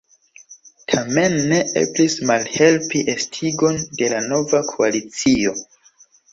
Tamen ne eblis malhelpi estigon de la nova koalicio.